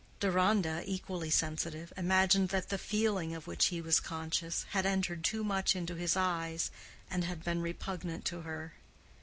Deronda, equally sensitive, imagined that the feeling of which he was conscious, had entered too much into his eyes, and had been repugnant to her.